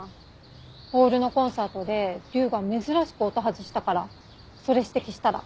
ホールのコンサートでリュウが珍しく音を外したからそれ指摘したら。